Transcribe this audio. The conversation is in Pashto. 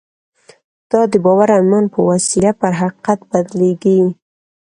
دا د باور او ایمان په وسیله پر حقیقت بدلېږي